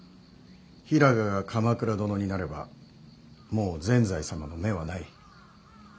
平賀が鎌倉殿になればもう善哉様の目はない。